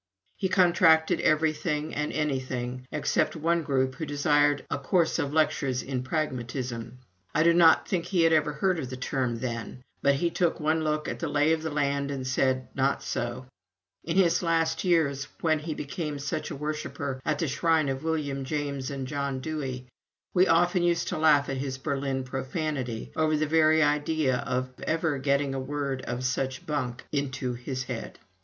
He contracted everything and anything except one group who desired a course of lectures in Pragmatism. I do not think he had ever heard of the term then, but he took one look at the lay of the land and said not so! In his last years, when he became such a worshiper at the shrine of William James and John Dewey, we often used to laugh at his Berlin profanity over the very idea of ever getting a word of such "bunk" into his head.